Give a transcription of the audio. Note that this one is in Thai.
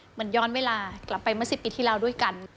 ย้อนเวลากลับไปเมื่อ๑๐ปีที่แล้วด้วยกัน